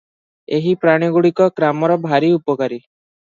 ଏହି ପ୍ରାଣୀଗୁଡ଼ିକ ଗ୍ରାମର ଭାରି ଉପକାରୀ ।